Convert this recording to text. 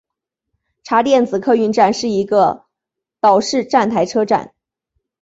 茶店子客运站是一个岛式站台车站。